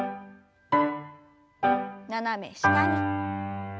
斜め下に。